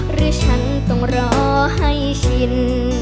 หรือฉันต้องรอให้ชิน